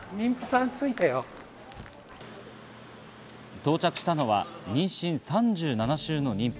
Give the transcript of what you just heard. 到着したのは妊娠３７週の妊婦。